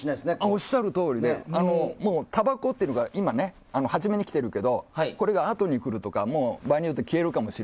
おっしゃるとおりでたばこっていうのが今は最初に来ているけどこれが後にくるとか場合によっては消えるかも。